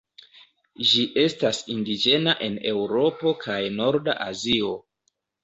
Ĝi estas indiĝena en Eŭropo kaj norda Azio.